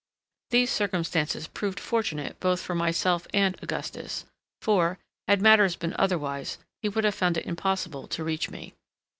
These circumstances proved fortunate both for myself and Augustus; for, had matters been otherwise, he would have found it impossible to reach me.